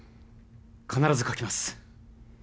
必ず書きます。